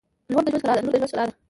• لور د ژوند ښکلا ده.